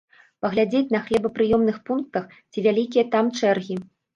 Паглядзець на хлебапрыёмных пунктах, ці вялікія там чэргі.